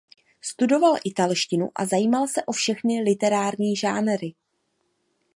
Studoval italštinu a zajímal se o všechny literární žánry.